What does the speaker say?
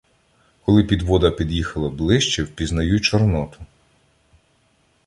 Коли підвода під'їхала ближче, впізнаю Чорноту.